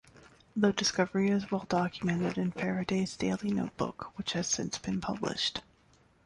The discovery is well documented in Faraday's daily notebook, which has since been published.